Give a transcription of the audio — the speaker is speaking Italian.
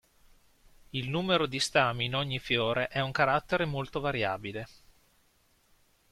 Il numero di stami in ogni fiore è un carattere molto variabile.